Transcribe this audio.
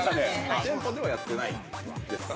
店舗ではやってないんですか。